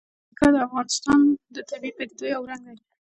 پکتیا د افغانستان د طبیعي پدیدو یو رنګ دی.